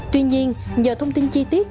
tuy nhiên nhờ thông tin chi tiết